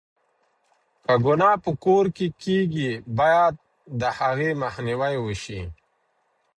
که گناه په کور کې کېږي، بايد د هغې مخنيوی وشي.